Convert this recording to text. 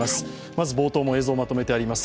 まず冒頭も映像をまとめてあります。